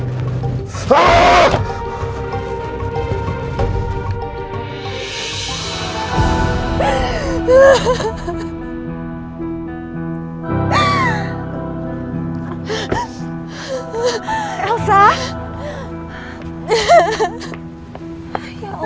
gimana makanya ladies wherever you go